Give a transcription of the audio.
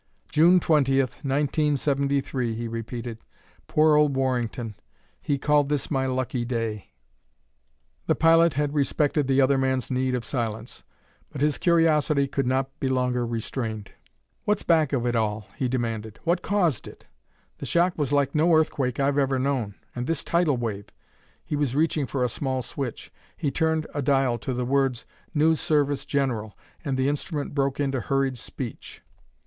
"June twentieth, nineteen seventy three," he repeated. "Poor old Warrington! He called this my lucky day!" The pilot had respected the other man's need of silence, but his curiosity could not be longer restrained. "What's back of it all?" he demanded. "What caused it? The shock was like no earthquake I've ever known. And this tidal wave " He was reaching for a small switch. He turned a dial to the words: "News Service General," and the instrument broke into hurried speech.